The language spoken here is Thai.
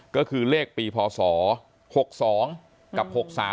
ก็คือเลขปีพศ๖๒กับ๖๓